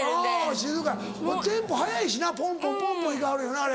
静かテンポ速いしなポンポンポンポン行かはるよなあれ。